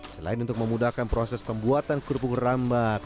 selain untuk memudahkan proses pembuatan kerupuk rambat